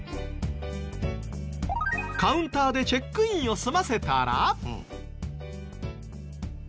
カウンターでチェックインを済ませたら。